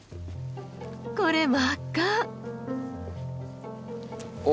これ真っ赤！